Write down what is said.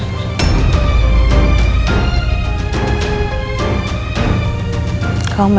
rakyatnya yang diberikan penjelasan